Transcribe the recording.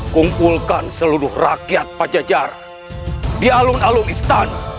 kumpulkan seluruh rakyat pajajar di alun alun istana